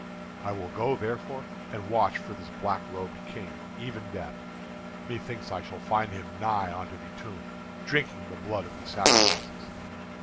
I will go, therefore, and watch for this black robed king, even Death. Me thinks I shall find him nigh unto the tomb, drinking the blood of the sacrifices.